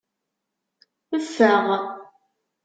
Ffeɣ.